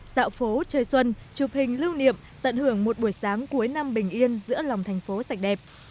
dạo phố chơi xuân chụp hình lưu niệm tận hưởng một buổi sáng cuối năm bình yên giữa lòng thành phố sạch đẹp